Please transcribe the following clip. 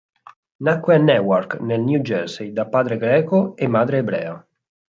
Nacque a Newark, nel New Jersey, da padre greco e madre ebrea.